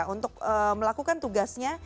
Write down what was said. untuk melakukan tubuh tubuhnya